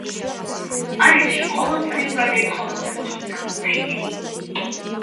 პარიზში ყოველწლიურად ეწყობოდა მისი გამოფენები.